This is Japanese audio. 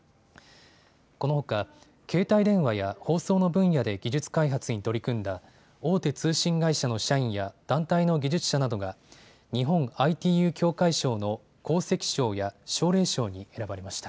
このほか携帯電話や放送の分野で技術開発に取り組んだ大手通信会社の社員や団体の技術者などが日本ＩＴＵ協会賞の功績賞や奨励賞に選ばれました。